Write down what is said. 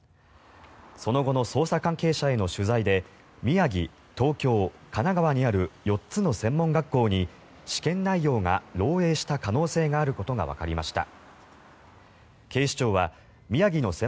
その後の捜査関係者への取材で宮城、東京、神奈川にある４つの専門学校に試験内容が漏えいした可能性があることがわかりました。